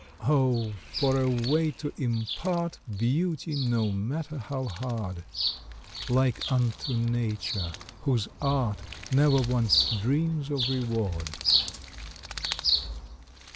Oh, for a way to impart Beauty, no matter how hard! Like unto nature, whose art Never once dreams of reward.